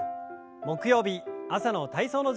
木曜日朝の体操の時間です。